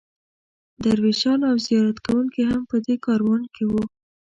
درویشان او زیارت کوونکي هم په دې کاروان کې وو.